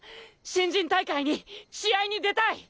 新人大会に試合に出たい！